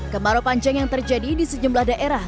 kemarau panjang yang terjadi di sejumlah daerah